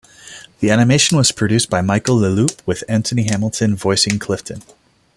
The animation was produced by Michel Leloupe, with Anthony Hamilton voicing Clifton.